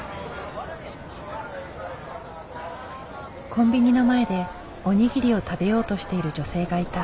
コンビニの前でおにぎりを食べようとしている女性がいた。